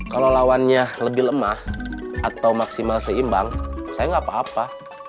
kalau lawannya lebih lemah atau maksimal seimbang saya nggak apa apa